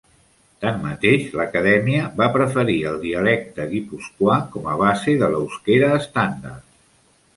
Tanmateix, l'Acadèmia va preferir el dialecte guipuscoà com a base de l'eusquera estàndard.